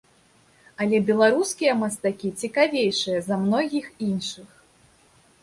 Але беларускія мастакі цікавейшыя за многіх іншых.